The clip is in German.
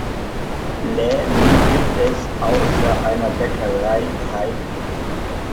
Läden gibt es ausser einer Bäckerei keine.